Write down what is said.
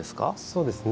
そうですね